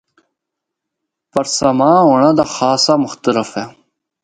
پر ساماں ہونڑا دا خاصا مختلف اے۔